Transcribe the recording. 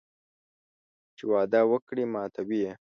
چې وعده وکړي ماتوي یې